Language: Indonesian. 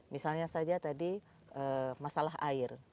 misalnya saja tadi masalah air